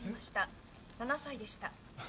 ７歳でした。